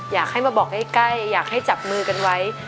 อยากให้มาบอกใกล้อยากให้จับมือกันไว้